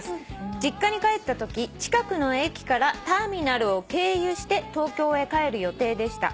「実家に帰ったとき近くの駅からターミナルを経由して東京へ帰る予定でした」